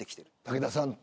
武田さん